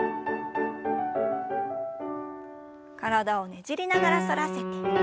体をねじりながら反らせて。